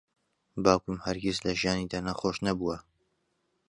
باوکم هەرگیز لە ژیانیدا نەخۆش نەبووە.